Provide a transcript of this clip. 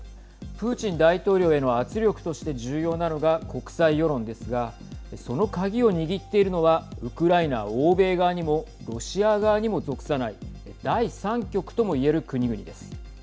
プーチン大統領への圧力として重要なのが国際世論ですがその鍵を握っているのはウクライナ、欧米側にもロシア側にも属さない第３極ともいえる国々です。